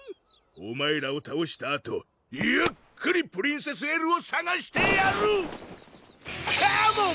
お前らをたおしたあとゆっくりプリンセス・エルをさがしてやるカモン！